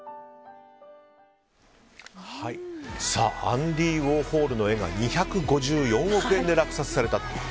アンディ・ウォーホルの絵が２５４億円で落札されたと。